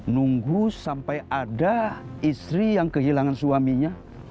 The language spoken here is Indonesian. nunggu sampai ada istri yang kehilangan suaminya